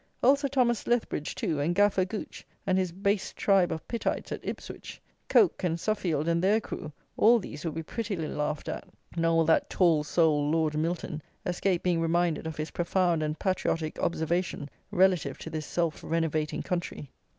Old Sir Thomas Lethbridge, too, and Gaffer Gooch, and his base tribe of Pittites at Ipswich; Coke and Suffield, and their crew; all these will be prettily laughed at; nor will that "tall soul," Lord Milton, escape being reminded of his profound and patriotic observation relative to "this self renovating country."